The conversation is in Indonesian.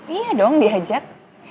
iya dong diajak